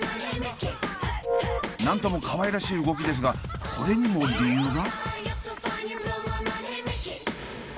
なんともかわいらしい動きですがこれにも理由が？